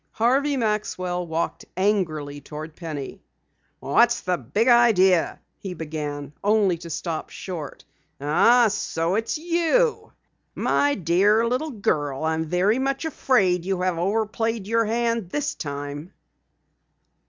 Harvey Maxwell walked angrily toward Penny. "What was the big idea?" he began, only to stop short. "Oh, so it's you? My dear little girl, I am very much afraid, you have over played your hand this time!"